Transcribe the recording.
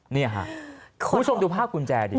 นี่ค่ะคุณผู้ชมดูภาพกุญแจดิ